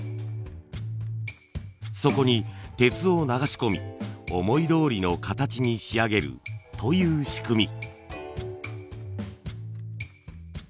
そこに鉄を流し込み思いどおりの形に仕上げるという仕組み。